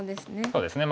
そうですね。